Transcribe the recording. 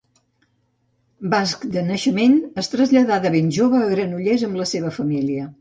Basc de naixement, es traslladà de ben jove a Granollers amb la seva família.